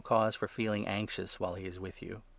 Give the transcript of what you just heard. cause for feeling anxious while he is with you.